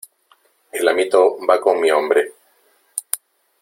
el amito va con mi hombre .